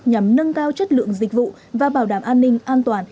nhằm nâng cao chất lượng dịch vụ và bảo đảm an ninh an toàn